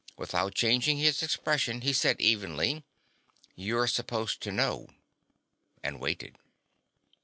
Without changing his expression, he said evenly: "You're supposed to know," and waited.